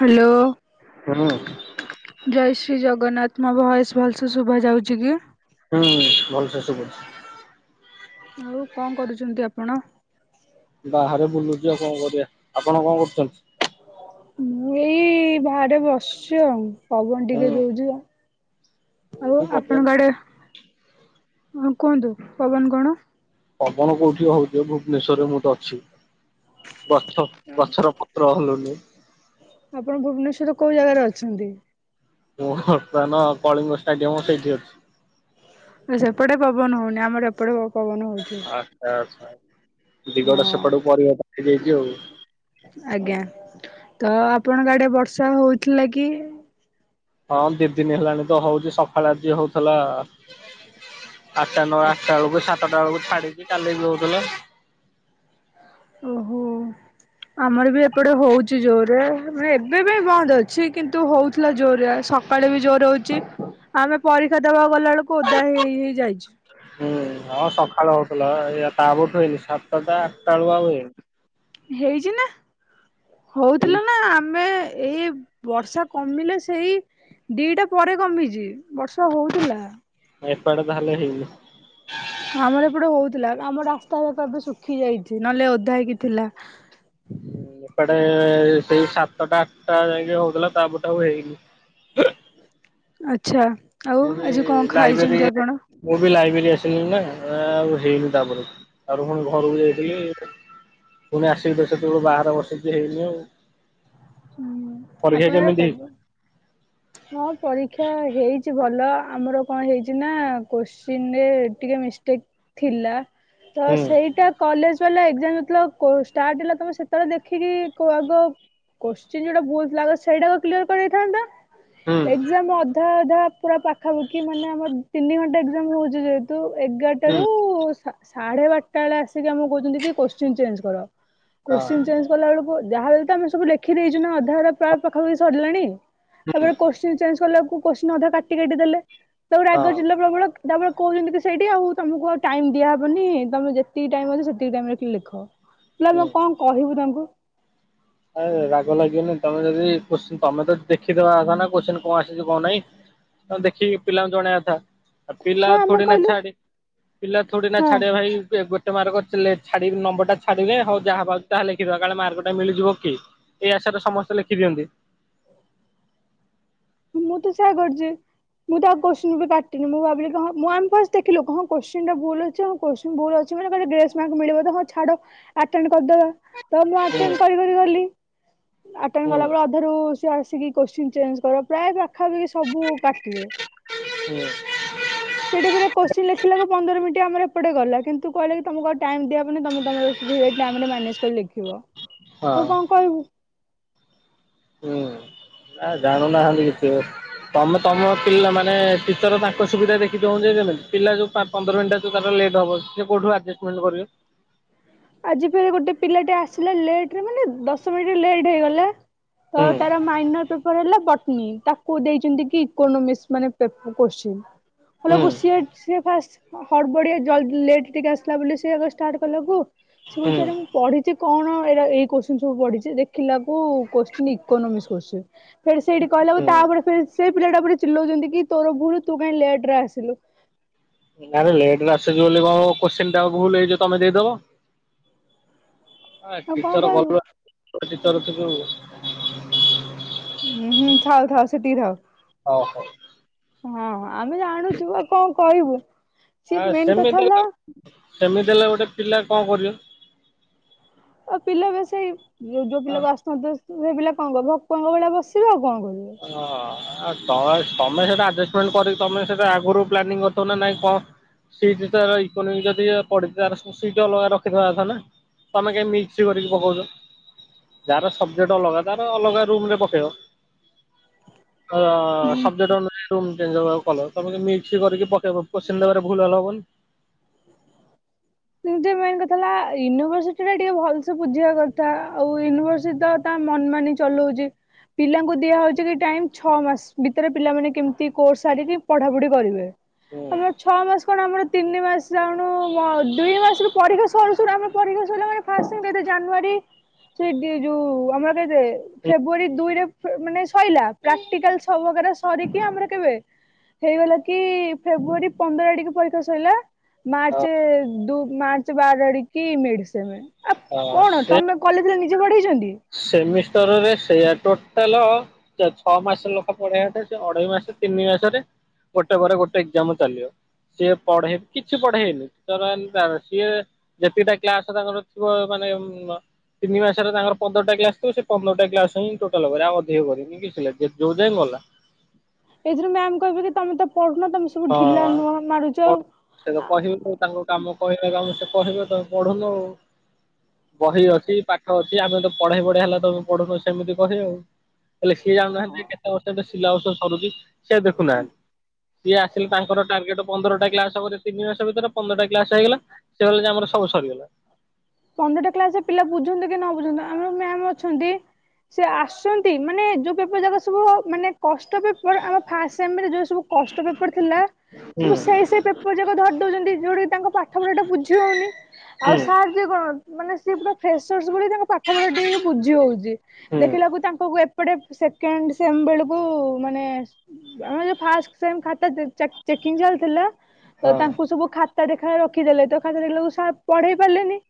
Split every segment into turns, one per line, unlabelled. Hello.
କେମୁନ
ଜୟ ଶ୍ରୀ ଜଗନ୍ନାଥ ମୋ ଭୟସ ଭଲସେ ଶୁଭା ଯାଉଛି କି?
ହୁଁ ଭଲସେ ଶୁଭଛି।
ଆଉ କଣ କରୁଛନ୍ତି ଆପଣ?
ବାହାରେ ବୁଲୁଛି ଆଉ କଣ କରିବା ଆପଣ କଣ କରୁଛନ୍ତି?
ମୁଁ ଏଇ ବାହାରେ ବସିଛି ଆଉ ପବନ ଟିକେ
ହୁଁ
ଦଉଛି। ଆଉ
କୋଉଠି ପବନ
ଆପଣଙ୍କ ଆଡେ ହଁ କୁହନ୍ତୁ ପବନ କଣ?
ପବନ କୋଉଠି ହଉଛି ଭୁବନେଶ୍ଵରରେ ମୁଁ ତ ଅଛି। ଗଛ ଗଛର ପ ତ୍ର ହଲୁନି।
ଆପଣ ଭୁବନେଶ୍ଵର କୋଉ ଜାଗାରେ ଅଛନ୍ତି?
ମୁଁ ବର୍ତ୍ତମାନ କଳିଙ୍ଗ ଷ୍ଟାଡିୟମ ସେଇଠି ଅଛି।
ସେପଟେ ପବନ ହଉନି ଆମର ଏପଟେ ପବନ ହଉଛି।
ଆଚ୍ଛା ଆଚ୍ଛା ଦିଗଟା
ହଁ
ସେପଟୁ ପରିବର୍ତ୍ତନ ହେଇ ଯାଇଛି ଆଉ।
ଆଜ୍ଞା ତ ଆପଣଙ୍କ ଆଡେ ବର୍ଷା ହଉଥିଲା କି?
ହଁ ଦି ଦିନ ହେଲାଣି ତ ହଉଛି ସକାଳେ ଆଜି ହଉଥଲା। ଆଠଟା ନଅ
ଆଚ୍ଛା।
ଆଠଟା ବେଳକୁ ସାତଟା ବେଳକୁ ଛାଡିିକି କାଲି ବି ହଉଥିଲା।
ଓହୋ। ଆମର ବି ଏପଟେ ହଉଛି ଜୋରରେ ମାନେ ଏବେ ବି ବନ୍ଦ ଅଛି କିନ୍ତୁ ହଉଥିଲା ଜୋରରେ ସକ ସକାଳେ ବି ଜୋର ହଉଛି ଆମେ ପରୀକ୍ଷା ଦେବାକୁ ଗଲାବେେଳକୁ ଓଦା ହେଇ ହେଇ ଯାଇଛି।
ହୁଁ, ହଁ ସକାଳ ହଉଥିଲା ଏଇ ତାପରଠୁ ହେଇନି ସାତଟା ଟା ଆଠଟା ବେଳକୁ ଆଉ ହେଇନି।
ହେଇଛି ନା,
ଏଇ
ହଉଥିଲା ନା ଆମେ ଏଇ ବର୍ଷା କମିଲେ ସେଇ ଦିଟା ପରେ କମିଛି ବର୍ଷା ହଉଥିଲା।
ଏପଟେ ତାହେଲେ ହେଇନି।
ଆମର ଏପଟେ ହଉଥିଲା ଆମ ରାସ୍ତା ଯାକ ଏବେ ଶୁଖି ଯାଇଛି ନହେଲେ ଓଦା ହେଇକି ଥିଲା।
ଏପଟେ ସେଇ ସାତଟା ଆଠଟା ଯାଇକି ହଉଥିଲା ତାପଟେ ଆଉ ହେଇନି।
ଆଛା ଆଉ
ମୁଁ ବି
ଆଜି କଣ
ଲାଇବ୍ରେରୀ
ଖାଇଛନ୍ତି ଆପଣ?
ମୁଁ ବି ଲାଇବ୍ରେରୀ ଆସିଲି ନା ଆଉ ହେଇନି ତାପରେ, ଆଉ ପଣି ଘରକୁ ଯାଇଥିଲି। ପୁଣି ଆସିବି ତ ସେତେବେଳୁ ବାହାରେ ବସିକି ହେଇନି ଆଉ।
ହୁଁ
ପରୀକ୍ଷା
ଆପଣର
କେମିତି ହେଇଛି?
ପବ ହଁ ପରୀକ୍ଷା ହେଇଛି ଭଲ ଆମର କଣ ହେଇଛି ନା କୋଶ୍ଚିିନ ରେ ଟିକେ ମିଷ୍ଟେକ୍ ଥିଲା ତ
ହୁଁ
ସେଇଟା କଲେଜ ବାଲା ଏକ୍ଜାମ ଯେତେବେଳେ ଷ୍ଟାର୍ଟ ହେଲା ତୁମେ ସେତେବେଳେ ଦେଖିକି କୋଉ ଆଗ କୋଶ୍ଚିନ ଯୋଉଟା ଭୁଲ ଥିଲା ଆଗ ସେଇଟାକୁ କ୍ଲିଅର କରିଦେଇଥାନ୍ତ
ହୁଁ
ଏ ଏକ୍ଜାମ ଅଧା ଅଧା ପୁରା ପାଖାପାଖି ମାନେ ଆମର ତିନି ଘଣ୍ଟା ଏକ୍ଜାମ ହଉଛି ଯେ ତୁ
ହୁଁ
ଏଗାରଟାରୁ ସା ସାଢେ ବାରଟା ବେଳେ ଆସିକି ଆମକୁ କହୁଛନ୍ତି କି କୋଶ୍ଚିନ ଚେଞ୍ଜ କର
ହଁ
କୋଶ୍ଚିନ ଚେଞ୍ଜ କଲା ବେଳକୁ ଯାହେଲେ ତ ଆମେ ସବୁ ଲେଖି ଦେଇଛୁ ନା ଅଧା ଅଧା ପ୍ରାୟ ପାଖାପଖି ସରିଲାଣି।
ହୁଁ
ତାପରେ କୋଶ୍ଚ କୋସ୍ଚିନ୍ ଚେନ୍ଜ କଲାବେଳକୁ ଅଧା କାଟି କାଟି ଦେଲେ ତା ପରେ ରାଗ
ହଁ
ଚିଡିଲା ପ୍ରବଳ ତା ପରେ କହୁଛନ୍ତି କି ସେଇଠି ଆଉ ତମକୁ ଆଉ ଟାଇମ୍ ଦିଆହବନି ତମେ ଯେତିକି ଟାଇମ୍ ଅଛି ସେତିକି ଟାଇମ୍ ରେ ହିଁ ଲେଖ। ପ୍ଲି ମା
ହୁଁ।
ଙ୍କୁ କଣ କହିବୁ ତାଙ୍କୁ।
ଆରେ ରାଗ ଲାଗିବନି ତମେ ଯଦ କୋଶ୍ଚି ତମେ ତ ଦେଖିଦବା କଥା ନା କୋଶ୍ଚିନ୍ କଣ ଆସିଛି କଣ ନାଇଁ? ତମେ ଦେଖିକି ପିଲାଙ୍କୁ ଜଣେଇବା କଥା। ଆଉ ପିଲା
ହଁ ଆମେ
ଥୋଡି ନା
କହିଲୁ
ଛାଡି ପିଲା ଥୋଡିନା
ହଁ
ଛାଡି ଭାଇ ଏବେ ଟେ ମାର୍କ ଥିଲେ ଛାଡି ନମ୍ବରଟା ଛାଡିଲେ ହୋଉ ଯାହା ପାଉଛି ତାହା ଲେଖଦବା କାଳେ ମାର୍କଟା ମିଳିଯିବ କି ଏଇ ଆଶା ରେ ସମସ୍ତେ ଲେଖି ଦିଅନ୍ତି ‌।
ମୁଁ ତ ସେଇଆ କରିଛି। ମୁଁ ତ ଆଉ କୋଶ୍ଚିନ ବି ବାଟିନି ମୁଁ ଭାବିଲି କି ହଁ ମୁଁ ଆମେ ଫାଷ୍ଟ ଦେଖିଲୁ ହଁ କୋଶ୍ଚିନ ଟା ଭୁଲ ଅଛି ଆଉ କୋଶ୍ଚିନ ଭୁଲ ଅଛି ମାନେ କହିବେ ଗ୍ରେସ୍ ମାର୍କ ମିଳିବ ତ ହଁ ଛାଡ ଆଟେଣ୍ଡ କରିଦେବା ତ ମୁଁ
ହୁଁ।
ଆଟେଣ୍ଡ୍ କର ଗଲି। ଆଟେଣ୍ଡ
ହୁଁ
କଲା ବେଳେ ସେ ଅଧାରୁ ସିଏ ଆସିକି କୋଶ୍ଚିନ ଚେଞ୍ କର ପ୍ରାୟ ପାଖାପଖି ସବୁ କାଟିଲେ।
ହୁଁ
ସେଠି ପୁରା କୋଶ୍ଚିନ ଲେଖିଲାକୁ ପନ୍ଦର ମିନିଟ୍ ଆମର ଏପଟେ ଗଲା କିନ୍ତୁ କହିଲେ କି ତମକୁ ଆଉ ଟାଇମ୍ ଦିଆ ହବନି ତମେ ତମର [unintelligible] ମ୍ୟାନେଜ କରି ଲେଖିବ।
ହଁ ହୁଁ ନା ଜାଣୁନାହାନ୍ତି କିଛି ବି। ତମେ ତମ ପିଲା ମାନେ ଟିଚର ତାଙ୍କ ସୁବିଧା ଦେଖି ଦଉ [unintelligible] ପିଲା ଯୋଉ ପା ପନ୍ଦର ମିନଟ୍ ହେ ତାର ଲେଟ୍ବ ସେଉଠ ଆଜଷ୍ଟମେଣ୍ଟ କରିବ
ଆଜି ଫେରେ ଗୋଟେ ପିଲାଟେ ଆସିଲା ଲେଟ୍ ରେ ମାନେ ଦଶ ମିନିଟ ଲେଟ ହେଇଗଲା ତ
ହୁଁ
ତାର ମାଇନଟ ପର ହେଲା ପଟନୀ ତା କୁ ଦେଇଛନ୍ତି କି ଇକୋନୋମିକ୍ସ ମାନେ ପେ କୋଶ୍ଚିନ୍
ହୁଁ
ହେଲାକୁ ସିଏ ସିଏ ଫାଷ୍ଟ ହଡବଡିଆ ଜଲ୍ଦି ଲେଟ୍ ଟିକେ ଆସିଲା ବୋଲି ସିଏ ଆଗ ଷ୍ଟାର୍ଟ କଲା କୁ ସେ
ହୁଁ
କହୁଛି ଆରେ ମୁଁ ପଢିଛି କଣ ଏରା ଏ କୋଶ୍ଚିନ ସବୁ ପଢିଛି ଦେଖିଲା ବେଳକୁ କୋଶ୍ଚିନ୍ ଇକୋନୋମିକ୍ସ କୋଶ୍ଚିନ୍। ଫେରେ ସେଇଠି କହିଲାକୁ
ହୁଁ।
ତାପରେ ଫିର୍ ସେ ପିଲାଟା ଉପରେ ଚିଲଉଛନ୍ତି କି ତୋର ଭୁଲ ତୁ କାଇଁ ଲେଟ୍ ରେ ଆସିଲୁ।
ନାରେ ଲେଟ୍ ରେ ଆସଲୁ ବୋଲି କଣ ମୋ କୋଶ୍ଚିନ୍ ଟା ଭୁଲ ହେଇ ଯିବ ତମେ ଦେଇଦବ ‌। ଆ
ଆଉ କଣ
ଟିଚର
କହିବୁ
ଗଲୁଆ ପିଚ୍ ସେ ଯୋଉ
ଉଁ ହୁଁ ଥାଉ ଥାଉ ସେତିକି ଥାଉ।
ଓ ହୋ
ହଁ ହଁ ଆମେ ଜାଣୁଛୁ ଆଉ କଣ କହିବୁ। ସିଏ
ଆଁ
ମେନ୍ କଥା
ସେମିତିଆ
ହେଲା ଆଉ
ସେମିତି ହେଲେ ଗୋଟେ ପିଲା କଣ କରିବ?
ଆଉ ପିଲା ବି ସେଇ ଯୋ ଯୋଉ
ହଁ
ପିଲାକୁ ଆସୁ ନ ଥିବ ସେ ତ ସେଇ ପିଲା କଣ କରିବ ଭକୁଆଙ୍କ ଭଳିଆ ବସିବ ଆଉ କଣ କରିବ।
ଅ ଆ ତମେ ତମେ ସେଟା ଆର୍ଜେସମେଣ୍ଟ କରିକି ତମେ ସେଟା ଆଗରୁ ପ୍ଲାନିଂ କରି ଥିବା ନା ନାଇଁ କଣ ସେଇ ଜିନିଷରାର ଇକୋନୋମିକ ଯଦି ଇଆ ପଡିଥିଲା ତାର ସିଟରେ ଅଲଗା ରଖି ଦବା କଥା ନା। ତମେ କାହିଁକି ମିକ୍ସ କରିକି ପକଉଛ? ଯାର ସବଜେକ୍ଟ ଅଲଗା ତାର ଅଲଗା ରୁମ ରେ ପକେଇବ। ଅ
ହୁଁ
ସବ୍ଜେକ୍ଟ୍ ଅନୁଯାଇ ହେଠୁ ଚେଞ୍ଜ ଚାଞ୍ଜ କଲ ସବୁ ଯଦି ମିକ୍ସ କରିକି ପକେଇବ। କୋଶ୍ଚିନ ଦେବାର ଭୁଲ ଭାଲ ହବନି?
ଯେ ମେନ୍ କଥା ହେଲା ୟୁନିଭରସିଟି ରେ ଟିକେ ଭଲସେ ବୁଝିବା କଥା ଆଉ ୟୁନିଭରସିଟ ତ ତା ମନ ମାନି ଚଲଉଚି। ପିଲାଙ୍କୁ ଦିଆ ହଉଛି କି ଟାଇମ୍ ଛଅ ମାସ ଭିତରେ ପିଲାମାନେ କେମିତି କୋର୍ସ ସାରିକି ପଢା ପଢି କରିବେ।
ହୁଁ
ଆମର ଛଅ ମାସ କଣ ଆମର ତିନି ମାସ ଯାଉଣୁ ମ ଦୁଇ ମାସରୁ ପରୀକ୍ଷା ସରୁ ସରୁ ଆମେ ପରୀକ୍ଷା ସରିଲା ମାନେ ଫାଷ୍ଟ ଟାଇମ୍ କେତେ ଜାନୁଆରୀ ସେଡି ଇଏ ଯୋଉ ଆମର କେତେ ଫେବୃଆରୀ ଦୁଇରେ ଫେ ମାନେ ସଇଲା ପ୍ରାକ୍ଟିକାଲ ସବୁ ବଗେରା ସରିକି ଆମର କେବେ? ହେଇଗଲା କି ଫେବୃଆରୀ ପନ୍ଦର ଟିକେ ପରିକ୍ଷା ସରିଲା।
ହଁ
ମାର୍ଚ୍ଚ ଦୁ ମାର୍ଚ୍ଚ ବାର ଆଡକି ମେଡିସମ ଆ
ହଁ
କଣ
ସେ
ତମେ। କଲେଜରେ ନିଜେ ପଢେଇଛନ୍ତି।
ସେମିଷ୍ଟରରେ ସେୟାର ଟୋଟାଲ। ଛଅ ମାସ ଲୋକ ପଢେଇବାଟ ସେ ଅଢେଇ ମାସ ତିନି ମାସରେ। ଗୋଟେ ପରେ ଗୋଟେ ଏକ୍ଜାମ ଚାଲିଵ। ସିଏ ପଢେ କିଛି ପଢେଇନି [unintelligible] ତ ସିଏ। ଯେତିକିଟା କ୍ଲାସ ତାଙ୍କର ଥିବ ମାନେ ତିନି ମାସରେ ତାଙ୍କର। ପନ୍ଦରଟା କ୍ଲାସ ପନ୍ଦରଟା କ୍ଲାସ ହିଁ ଟୋଟାଲ ଆଉ ଅଧିକ କରିନି କି ଯୋଉ ଯାଇଁ ଗଲା।
ଏଇ ଥିରେ ମ୍ୟାମ୍ କହିବ କିି ତମେ ତ ପଢୁନ ତମେ ସବୁ ଢିଲା
ହଁ
ନୁହଁ ମାରୁଛ
ହ।
ଆଉ।
ସେ ତ କହିବେ ତାଙ୍କ କାମ କହିଲେ କାମ ସେ କହିବେ ତମେ ପଢୁନୁ ଆଉ। ବହି ଅଛି ପାଠ ଅଛି ଆମେ ତ ପଢେଇ ପଢେଇ ହେଲା ତମେ ପଢୁନ ସେମିତି କହି ଆଉ। ହେଲେ ସିଏ ଜାଣୁ ନାହାନ୍ତି ଯେ କେତେ ବର୍ଷ ଶିଲା ବର୍ଷ ସରୁଛି ସିଏ ଦେଖୁନାହାନ୍ତି। ସିଏ ଆସିଲେ ତାଙ୍କର ଟାର୍ଗେଟ ପନ୍ଦରଟା କ୍ଲାସ ତିନି ମାସ ଭିତରେ ପନ୍ଦରଟା କ୍ଲାସ୍ ହେଇଗଲା। ସିଏ ଗଲେ ଯେ ଆମର ସବୁ ସରିଗଲା।
ପନ୍ଦରଟା କ୍ଲାସ ରେ ପିଲା ବୁଝନ୍ତୁ କି ନ ବୁଝନ୍ତୁ ଆମର ମ୍ୟାମ୍ ଅଛନ୍ତି ସେ ଆସନ୍ତି ମାନେ ଯୋଉ ପେପର ଯାକ ସବୁ ମାନେ କଷ୍ଟ ପେପର ମୋର ଆମ ଫାଷ୍ଟେ ଯୋଉ ସବୁ କଷ୍ଟ ପେପର ଥିଲା
ହୁଁ
ସବୁ ସେଇ ସେଇ ପେପର ସବୁ ଯାକ ଧରି ଦଉଛନ୍ତି ଯୋଉଟା କିି ତାଙ୍କ ପାଠ ପଢା ଟା ବୁଝି ହଉନି
ହୁଁ
ଆଉ ସାର୍। କଣ ମାନେ ସିଏ ପୁରା ଫ୍ରେସ ଭ ତାଙ୍କ ପାଠ ପଢା ଟିକେ ବୁଝି ହଉଛି।
ହୁଁ
ଦେଖିଲାକୁ ତାଙ୍କୁ ଏପଟେ ସେକେଣ୍ଡ ସେମ ବେଳକୁ ମାନେ ଆମେ ଯୋଉ ଫାଷ୍ଟେ ଟାଇମ୍ ଖାତା ଚକିଂ ଚାଲିଥିଲା। ତ
ହଁ
ତାଙ୍କୁ ସବୁ ଖାତା ଦେଖା ରଖିଦେଲେ ତ ଖାତା ଦେଖିଲାକୁ ସାର୍ ପଢେଇ ପାରିଲେନି।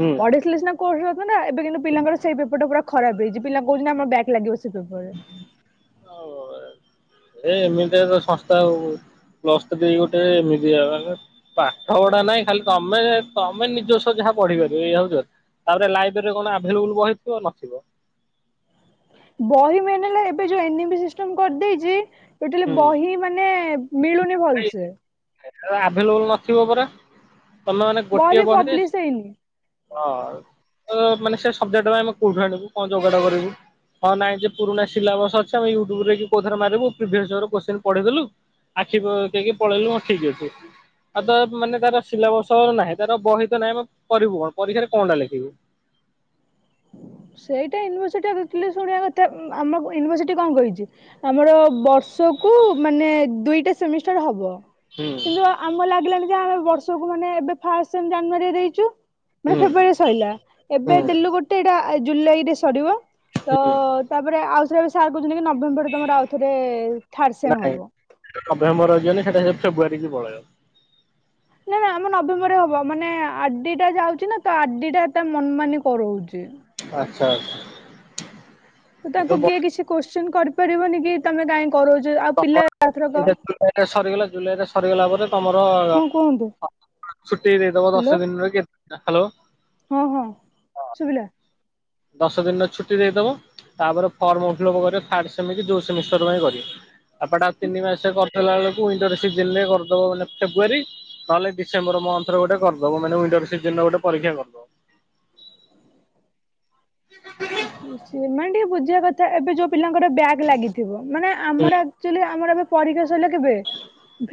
ହୁଁ।
ଦେଖିଲେ ସିନା କୋର୍ସ ନା ଏବେ କିନ୍ତୁ ପିଲାଙ୍କର ସେ ପେପର ଟା ଖରାପ୍ ହେଇଛି ପିଲା କହୁଛନ୍ତି ନା ଆମ ବ୍ୟାକ୍ ଲାଗିବ ସେ ପେପରରେ।
ହଉ ଏ ଏମିତି ଏକ ଶନସ୍ତା ଆଉ। [unintelligible] ପାଠ ପଢା ନାଇଁ ଖାଲି ତମେ ତମେ ନିଜସ୍ୱ ଯାହା ପଢିପାରିବ ଏଇ ହଉଚି କଥା। ତାପରେ ଲାଇବ୍ରେରୀ କଣ ଆଭେଲେବୁଲ ବହିଥିବ ନଥିବ।
ବହି ମେନେ ହେଲା ଏବେ ଯୋଉି ଏନିବି ସିଷ୍ଟମ୍ କରି ଦେଇଚି ଟୋଟାଲି
ହୁଁ।
ବହି ମାନେ ମିଳୁନି ଭଲସେ।
ସେତେବେଳେ ଆଭେଲେବୁଲ ନଥିବ ପରା ତମେ ମାନେ
ବହି
ଗୋଟିଏ
ବି
ବହିରେ
ପବ୍ଲିଶ ହେଇନି।
ହ ମାନେ ସେ ସବ୍ଜେକ୍ଟ ଆମେ କୋଉଠି ଆଣିବୁ କଣ ଯୋଗାଡ କରିବୁ। ହଁ ନାଇଁ ଯେ ପୁରୁଣା ସିଲା ବସ୍ ଅଛି ୟୁଟ୍ୟୁବ ରେ କି କୋଉଥିରେ ମାରିବୁ ପ୍ରିଭିଏସ ର କୋଚିଂନ୍ ପଢିଦେଲୁ। ଆଖି ଦେଇକି ପଳେଇଲୁ ଠିକ୍ ଅଛି। ଆଉ ତ ମାନେ ତାର ସିଲାବସ ନାହିଁ ତାର ବହି ତ ନାହିଁ ଆମେ କରିବୁ କଣ ପରୀକ୍ଷାରେ କଣ ଟା ଲେଖିବୁ।
ସେଇଟା ୟୁନିଭର୍ସିଟି ଦେଖିଲ ଶୁଣିବା କଥା ଆମର ୟୁନିଭରସିଟି କଣ କହିଛି। ଆମର ବର୍ଷକୁ ମାନେ ଦୁଇଟା ସେମିଷ୍ଟାର ହବ।
ହୁଁ।
କିନ୍ତୁ ଆମ ଲାଗିଲାଣି ଯେ ଆମେ ବର୍ଷକୁ ମାନେ ଏବେ ଫାଷ୍ଟେ ଜାନୁଆରୀରେ ଦେଇଛୁ। ମାନେ
ହୁଁ
ଫେବୃଆରୀରେ ସରିଲା ଏବେ ଦେଲୁ
ହୁଁ
ଗୋଟେ ଏଇଟା ଜୁଲାଇ ରେ ସରିବ ତ।
ହୁଁ
ତାପରେ ଆଉଥରେ ସାର୍ କହୁଛନ୍ତି କି ନଭେମ୍ବରରେ ଆଉଥରେ ଥାର୍ସେ ହବ।
ନଭେମ୍ବରରେ କୁ ଯିବନି ସେଟା ସେ ଫେବୃୟାରୀ କି ପଳେଇବ।
ନା ନା ଆମ ନଭେମ୍ବରରେ ହବ ମାନେ ଆଡିଟା ଯାଉଛି ନା ତ ଆଡିଟା ତା ମନ ମାନି କରଉଛି।
ଆଚ୍ଛା ଆଚ୍ଛା।
ତ ତାକୁ
କିନ୍ତୁ
କିଏ କିଛି କୋଷ୍ଟିନ୍ କରିପାରିବନି କି ତମେ କାଇହିଁ କରାଉଛ ଆଉ
ତମ
ପିଲା ଏଥରକ
ଏଇଟା ଜୁଲାଇରେ ସରିଗଲା ଜୁଲାଇ ରେ ସରିଗଲା ପରେ ତମର
ହଁ କୁହନ୍ତୁ
ଛୁଟି ଦେଇଦବ
ହ୍ୟାଲୋ
ଦଶ ଦିନରେ କେ ହ୍ୟାଲୋ।
ହଁ ହଁ ଶୁଭିଲା।
ଦଶ ଦିନର ଛୁଟି ଦେଇଦବ। ତାପରେ ଫର୍ମ [unintelligible] ଦମିଷ୍ଟର ପାଇଁପ ତିନି ମାସ ହେଲା ବେଳକୁଣ୍ଟର ସିଜନ ରେ କରିଦବ ମାନେ ଫେବୃୁଆରୀ [unintelligible] ତାହେଲେ ଡିସମ୍ବର ମଥରେ ଗୋଟେ କରିଦବ ମାନେ ଣ୍ଟର ସିଜନରେ ଗୋଟେ ପରୀକ୍ଷ କରିଦବ। ହଁ [unintelligible]
ସେମାନେ ଟିକେ ବୁଝିବା କଥା ଏବେ ଯୋଉ ପିଲାଙ୍କର ବ୍ୟାଗ୍ ଲାଗିଥିବ ମାନେ
ହୁଁ
ଆମରଚୁ ଆମର ଏ ପରୀକ୍ଷା ସରିଲା କେବେ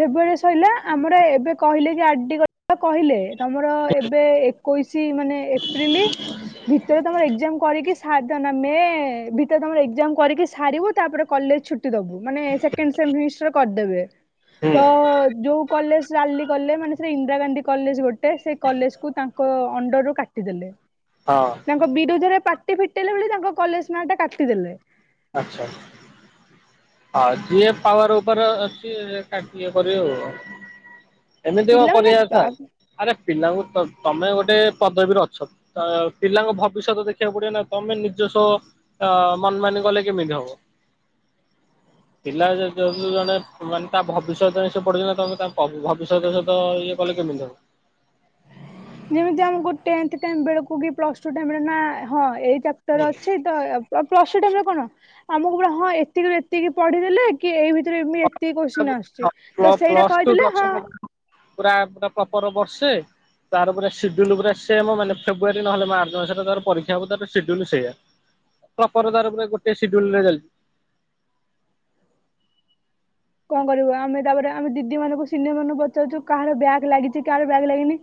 ଫେବୃଆାରୀ ସରିଲା ଆମର ଏବେ କହିଲେ ସେ କହିଲେ ତମର ଏବେ ଏ ଏକୋଇଶି ମାନେ ଏପ୍ରିଲ ଭିତରେ ତମର ଏଜାମ୍ କରିକି ସା ଏ ଭିତରେ ତମର ଏଜାମ୍ କରିକି ସାରିବୁ ତାପରେ କଲେଜ୍ ଛୁଟି ଦବୁ ମାନେ ସେ ସେକେଣ୍ଡ ସେମିସିଷ୍ଟ୍ରି କରିଦବେ ତ ଯୋଉ କଲେଜ୍ ରାଲି କଲେ ମାନେ ସେଇଟା ଇନ୍ଦିରାଗାନ୍ଧୀ କଲେଜ୍ ଗୋଟେ ସେ କଲେଜ୍ କୁ ତାଙ୍କ ଅଣ୍ଡରରୁୁ କାଟିଦେଲେ।
ହଁ।
ତାଙ୍କ ବିରୋଧରେ ପାଟି ଫିଟେଇଲେ ବୋଲି ତାଙ୍କ କଲେଜ୍ ନାଁଟା କାଟିଦେଲେ‌।
ଆଚ୍ଛା। ହଁ ଯିଏ ପାୱାର ଉପରେ ଅଛି କାଟି ଇଏ କରିବେ ଆଉ। ଏମିତି କଣ
ପିଲାମାନେ
କରିବାିବା
ବା
କଥା ଆରେ ପିଲାଙ୍କୁ ତମେ ଗୋଟେ ପଦବୀରେ ଅଛ। ଅ ପିଲାଙ୍କ ଭବିଷ୍ୟତ ଦେଖିବାକୁ ପଡ଼ିବନା ତମେ ନିଜସ୍ୱ ଅ ମନ ମାନେ କଲେ। କେମିତି ହବ। ପିଲା ଯ ଯେହେତୁ ଜଣେ ମାନେ ତା ଭବିଷ୍ୟତ ସେ ପଡ଼ୁଚିନା ତମେ ତା ଭବିଷ୍ୟତ ସହିତ ଇଏ କଲେ କେମିତି ହବ।
ଯେମିତି ଆମକୁ ଟେନ୍ଥ ଟାଇମ୍ ବେଳକୁ କି ପ୍ଲସ୍ ଟୁ ବେଳକୁ କି ନା ହଁ ଏଇ
ହୁଁ।
ଚାପ୍ଟର ଅଛି ତ ତ ପ୍ଲସ୍ ଟୁ ଟାଇମ୍ ରେ କଣ ଆମକୁ ପୁରା ହଁ ଏତିକି ଏତିକି ପଢିଦେଲେ କି ଏଇ ଭ ସାର୍ ଏମିତି ଏତିକି କୋସ୍ଚିନ୍ ଆସୁଚି ତ ସେଇଟା
ପ୍ଲସ ଟୁ
କହିଦେଲେ ହଁ
ଦଶମ ପୁରା ପୁରା ପପର ବର୍ଷେ ତାର ପୁରା ସିଡୁଲୁ ପୁରା ସେମ ମାନେ ଫେ ଫେବୃୟାରୀ ନହେଲେ ମାର୍ଚ୍ଚ ମାସରେ ତାର ପରୀକ୍ଷା ହେବ ସିଡୁଲୁ ସେଇଆ। ପ୍ରପର ତାର ପୁରା ଗୋଟେ ସିଡୁଲେରେ ଚାଲିଚି।
କଣ କରିବୁ ଆମେ ତାପରେ ଆମେ ଦିଦି ମାନଙ୍କୁ ସିନିୟର୍ ମାନଙ୍କୁ ପଚାରୁଚୁ କାହାର ବ୍ୟାଗ୍ ଲାଗିଚି କାହାର ବ୍ୟାଗ୍ ଲାଗିନି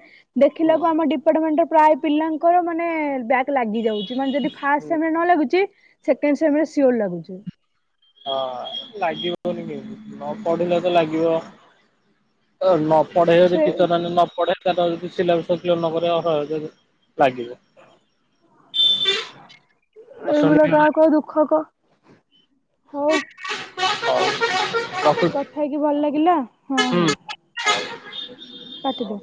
ଦେଖିଲାକୁ ଆମ ଡିପାର୍ଟମେଣ୍ଟ ପ୍ରାୟ ପିଲାଙ୍କର ମାନେ ବ୍ୟା ଲାଗି ଯାଉଚି ମାନେ ଯଦି ଫାଷ୍ଟ ସେମ ନ ଲାଗୁଚି ସେକେଣ୍ଡ ସେମ ସିଓର ଲାଗୁଚି।
ହଁ ଲାଗିବନି କେମତି ନ ପଢିଲେ ତ ଲାଗିବ। ଅ ନ ପଢ଼େଇବଯଦି
ସେ
ଟିଚର୍ ହେନେ ନପଢେ ସେଟା ଯଦି ସିଲ ସିଲ ନକରେ ଅଜ ଲାଗିବ। ଦଶ
ଏଇଭଳିଆ
ମିନିଟ ହେଲା
କାହାକୁ ଆଉ ଦୁଃଖ କ ହଉ।
ହୋଉ ତ [unintelligible]
କଥା ହେଇକି ଭଲ ଲାଗିଲା ହଁ ହଁ। କାଟଦିଅ।